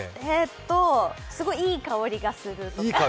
すごい、いい香りがするとか。